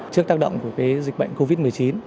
trước tác động của dịch bệnh covid một mươi chín